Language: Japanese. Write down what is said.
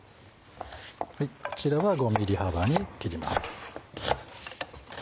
こちらは５ｍｍ幅に切ります。